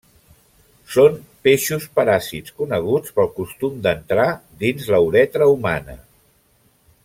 Són peixos paràsits coneguts pel costum d'entrar dins la uretra humana.